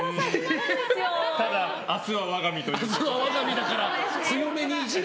ただ明日は我が身ということで。